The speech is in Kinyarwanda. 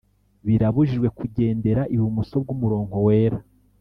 birabujijwe kugendera ibumoso bw'umurongo wera